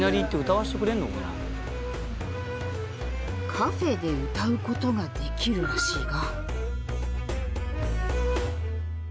カフェで歌うことができるらしいが。